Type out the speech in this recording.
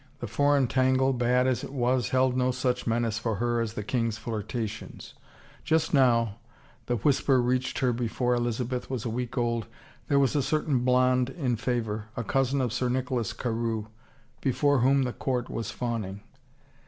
The foreign tangle, bad as it was, held no such menace for her as the king's flirtations. Just now — the whisper reached her before Elizabeth was a week old — there was a certain blonde in favor, a cousin of Sir Nicholas Carewe, before whom the court was fawning.